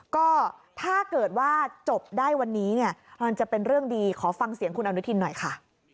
ก็ถ้าเกิดว่าจบได้วันนี้เนี่ยมันจะเป็นเรื่องดีขอฟังเสียงคุณอนุทินหน่อยค่ะ